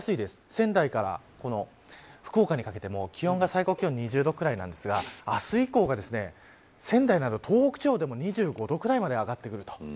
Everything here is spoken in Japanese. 仙台から福岡にかけても気温が最高気温２０度ぐらいなんですが明日以降が仙台など東北地方でも２５度くらいまで上がってくる。